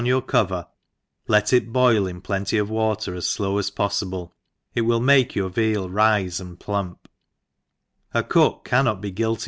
your cover, let it boil in plenty of wgter as flow as poflible, it will make yoiin Veal rife and plump: a cook cannot be guilty